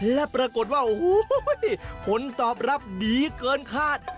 และปรากฏว่าโอ้โหผลตอบรับดีเกินคาด